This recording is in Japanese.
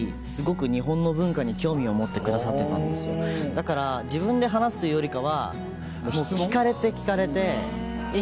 だから自分で話すというよりかは聞かれて聞かれて。